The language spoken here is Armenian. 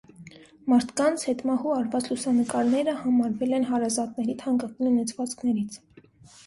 Մարդկանց՝ հետմահու արված լուսանկարները համարվել են հարազատների թանկագին ունեցվածքներից։